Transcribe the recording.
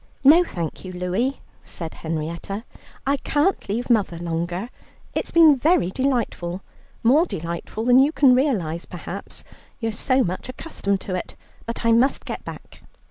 "No, thank you, Louie," said Henrietta; "I can't leave mother longer. It's been very delightful, more delightful than you can realize, perhaps you're so much accustomed to it; but I must get back."